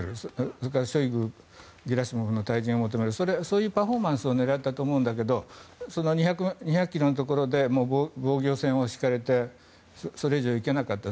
それからショイグ、ゲラシモフの退陣を求めるパフォーマンスを狙ったと思うんだけどその２００ｋｍのところで防御線を敷かれてそれ以上、行けなかった。